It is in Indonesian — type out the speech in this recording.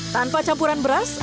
tanpa campuran beras